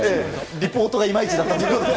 リポートがいまいちだったんで。